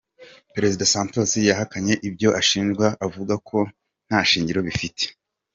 Perezida Santos yahakanye ibyo ashinjwa, avuga ko nta shingiro bifite.